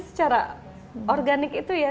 secara organik itu ya